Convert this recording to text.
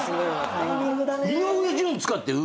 タイミングだね。